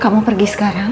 kamu pergi sekarang